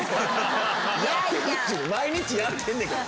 毎日やってんねんから。